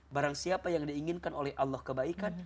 barang siapa yang diinginkan oleh allah kebaikan